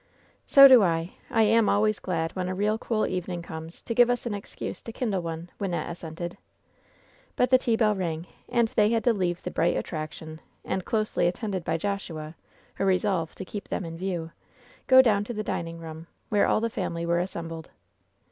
"So do 1 1 I am always glad when a real cool evening comes to give us an excuse to kindle one," Wynnette assented. But the tea bell rang, and they had to leave the bright attraction, and, closely attended by Joshua, who resolved to keep them in view, go down to the dining room, where all the family were assembled.